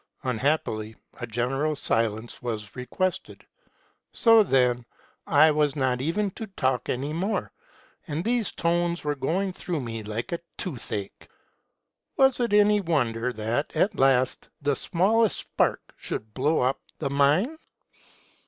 Unhappily a general silence was requested. So, then, I was not even to talk any more ; and these tones were going through me like a toothache. Was it any wonder that, at last, the smallest spark should blow up the mine?